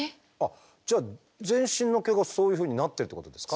じゃあ全身の毛がそういうふうになってるってことですか？